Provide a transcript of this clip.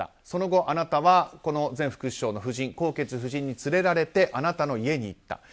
その後、あなたは前副首相の夫人コウケツ夫人に連れられてあなたの家に行った。